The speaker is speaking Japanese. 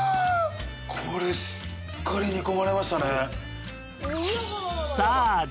これしっかり煮込まれましたね。